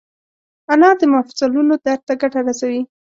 انار د مفصلونو درد ته ګټه رسوي.